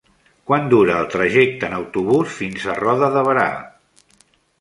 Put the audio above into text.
Quant dura el trajecte en autobús fins a Roda de Berà?